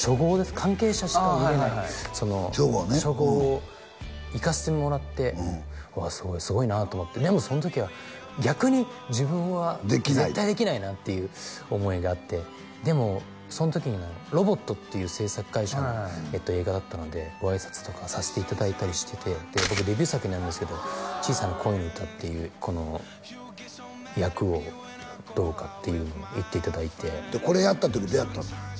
関係者しか見れない初号ね初号を行かせてもらってわあすごいなと思ってでもその時は逆に自分は絶対できないなっていう思いがあってでもその時にＲＯＢＯＴっていう製作会社の映画だったのでご挨拶とかさせていただいたりしてて僕デビュー作になるんですけど「小さな恋のうた」っていうこの役をどうかっていうのを言っていただいてこれやった時どやったん？